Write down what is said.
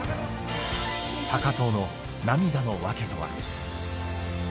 高藤の涙の訳とは。